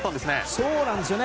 そうなんですよね。